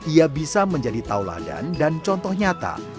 ia bisa menjadi tauladan dan contoh nyata